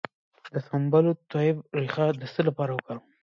د سنبل الطیب ریښه د څه لپاره وکاروم؟